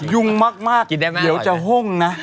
ยุ่งมากเดี๋ยวจะห้งนะ